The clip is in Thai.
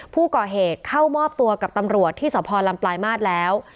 ผู้ก่อเหตุเข้ามอบตัวกับตำรวจที่สพลำปลายมาตรแล้ว